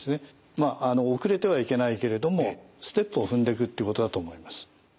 まあ遅れてはいけないけれどもステップを踏んでくってことだと思います。